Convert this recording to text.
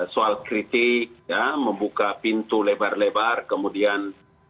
soal kritik ya membuka pintu lebar lebar kemudian